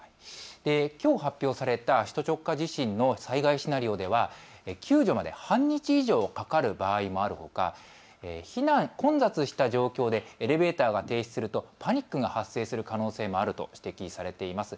きょう発表された首都直下地震の災害シナリオでは救助まで半日以上かかる場合もあるほか混雑した状況でエレベーターが停止するとパニックが発生する可能性もあると指摘されています。